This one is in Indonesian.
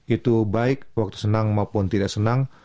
itu baik waktu senang maupun tidak senang